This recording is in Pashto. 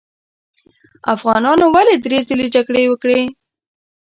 افغانانو ولې درې ځلې جګړې وکړې.